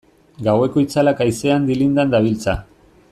Gaueko itzalak haizean dilindan dabiltza.